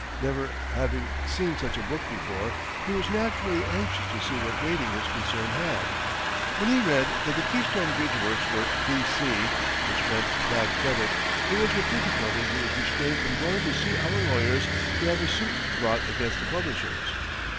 Never having seen such a book before, he was naturally anxious to see what rating his concern had. When he read that the Keystone Bridge Works were "BC," which meant "Bad Credit," it was with difficulty he was restrained from going to see our lawyers to have a suit brought against the publishers.